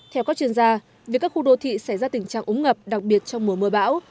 theo các chuyên gia việc các khu đô thị xảy ra tình trạng ống ngập đặc biệt trong mùa mưa bão